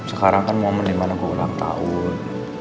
sekarang kan momen dimana gue ulang tahun